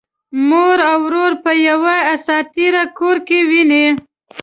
مور او ورور په یوه اساطیري کور کې ويني.